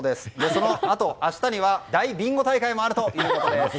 そのあと明日には大ビンゴ大会もあるということです。